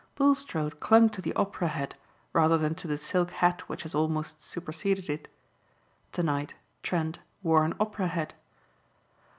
Bulstrode clung to the opera hat rather than to the silk hat which has almost superseded it. To night Trent wore an opera hat.